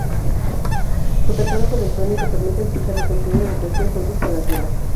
Su catálogo electrónico permite escuchar el contenido de cualquier producto en la tienda.